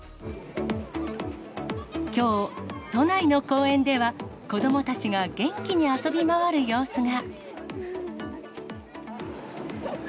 きょう、都内の公園では、子どもたちが元気に遊び回る様子が。